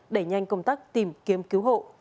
đẩy nhanh công tác tìm kiếm cứu hộ